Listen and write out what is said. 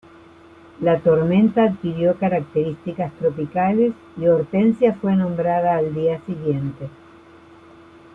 La tormenta adquirió características tropicales y Hortensia fue nombrada al día siguiente.